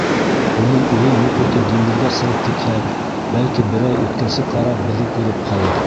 Уның үҙен юҡ итеп, диңгеҙгә сығып китһәк, бәлки, берәй үткенсе карап беҙҙе күреп ҡалыр.